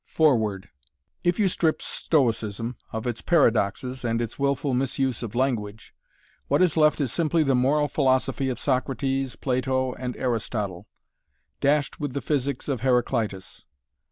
FOREWORD If you strip Stoicism of its paradoxes and its wilful misuse of language, what is left is simply the moral philosophy of Socrates, Plato and Aristotle, dashed with the physics of Heraclitus.